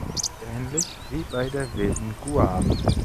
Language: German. Ähnlich wie bei der Wilden Guave.